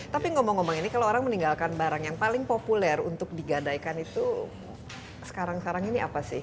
tapi ngomong ngomong ini kalau orang meninggalkan barang yang paling populer untuk digadaikan itu sekarang sekarang ini apa sih